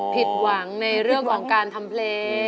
ผิดหวังในเรื่องของการทำเพลง